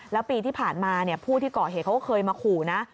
แล้วปีที่ผ่านมาผู้ที่ก่อเหตุเขาก็เคยมาขู่นะ